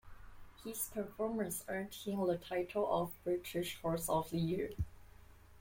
His performances earned him the title of British Horse of the Year.